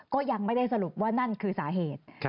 ก็ยังไม่ได้สรุปว่านั่นคือสาเหตุ